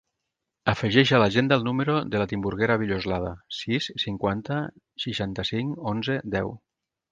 Afegeix a l'agenda el número de la Timburguera Villoslada: sis, cinquanta, seixanta-cinc, onze, deu.